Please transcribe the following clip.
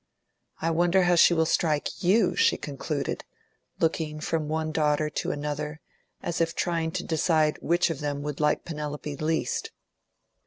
"I wonder how she will strike YOU," she concluded, looking from one daughter to another, as if trying to decide which of them would like Penelope least.